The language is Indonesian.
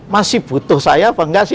masih butuh saya apa enggak sih